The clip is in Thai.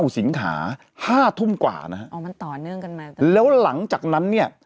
สิงหา๕ทุ่มกว่านะฮะอ๋อมันต่อเนื่องกันมาแล้วหลังจากนั้นเนี่ย